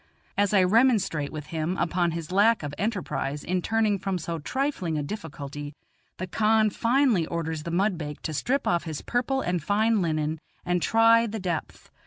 As I remonstrate with him upon his lack of enterprise in turning from so trifling a difficulty, the khan finally orders the mudbake to strip off his purple and fine linen and try the depth.